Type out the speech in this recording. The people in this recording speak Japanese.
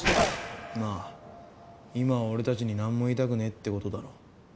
まあ今は俺たちに何も言いたくねえってことだろ。